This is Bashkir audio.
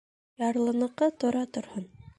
Ярлыныҡы тора торһон.